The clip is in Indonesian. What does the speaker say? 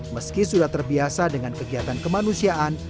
meski sudah terbiasa dengan kegiatan kemanusiaan